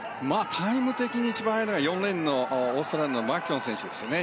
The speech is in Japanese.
タイム的に一番速いのは５レーン、オーストラリアのマキュオン選手ですね。